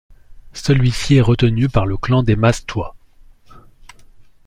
Celui-ci est retenu par le clan des Mastoi.